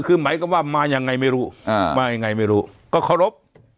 คือหมายความว่ามายังไงไม่รู้มายังไงไม่รู้ก็เคารพ